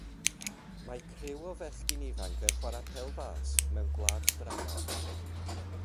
Mae criw o fechgyn ifanc yn chwarae pêl-fas mewn gwlad dramor.